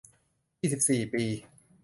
ยี่สิบสี่ ปี